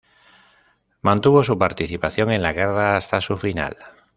Mantuvo su participación en la guerra hasta su final.